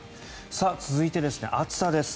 続いて、暑さです。